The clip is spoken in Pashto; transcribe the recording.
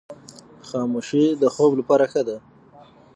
خاموشي د خوب لپاره ښه ده.